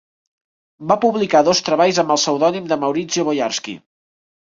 Va publicar dos treballs amb el pseudònim de Maurizio Boyarsky.